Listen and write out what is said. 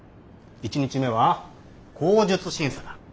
１日目は口述審査だ。